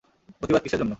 প্রতিবাদ কিসের জন্য?